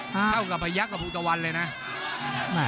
เท่ากับพยักษ์กับภูตะวันเลยนะ